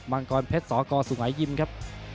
ให้กับมังกรเพชรสกสุหายยิมครับ